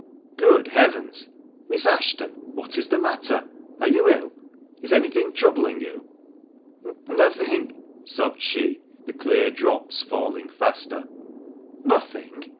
"Good heavens! Miss Ashton, what is the matter? Are you ill ? Is anything troubling you ?" "Nothing," sobbed she, the clear drops falling faster. "Nothing!